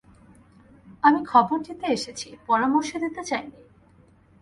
আমি খবর দিতে এসেছি, পরামর্শ দিতে চাই নে।